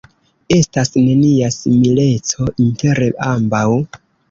Estas nenia simileco inter ambaŭ.